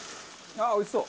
おいしそう。